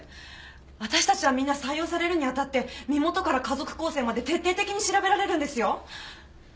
私たちはみんな採用されるに当たって身元から家族構成まで徹底的に調べられるんですよ？